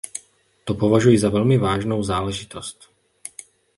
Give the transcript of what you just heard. To považuji za velmi vážnou záležitost.